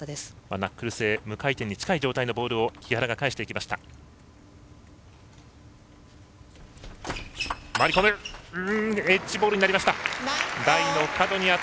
ナックル性無回転に近いボールを木原が返していきました。